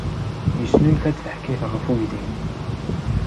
Yesnulfa-d taḥkayt ɣef uydi-nni.